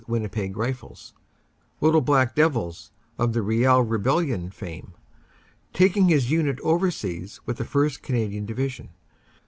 Win nipeg Rifles "Little Black Devils" of Riel Rebellion fame taking his unit overseas with the 1st. Canadian Division.